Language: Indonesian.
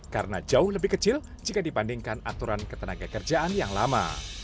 karena jauh lebih kecil jika dibandingkan aturan ketenaga kerjaan yang lama